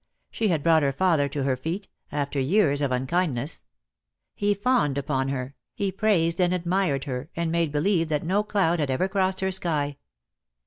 She had brought her father to her feet, after years of un kindness. He fawned upon her, he praised and admired her, and made believe that no cloud had ever crossed her sky.